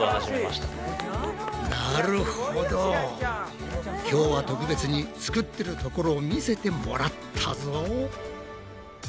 すごいよ白井ちゃん。今日は特別に作ってるところを見せてもらったぞ！